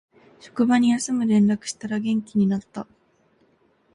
職場に休む連絡したら元気になった